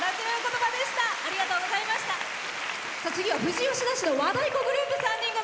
次は富士吉田市の和太鼓グループの３人組。